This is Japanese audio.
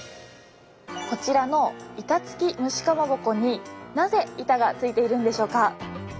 こちらの板つき蒸しかまぼこになぜ板がついているんでしょうか？